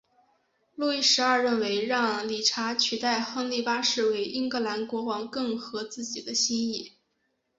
路易十二认为让理查取代亨利八世为英格兰国王更合自己的心意。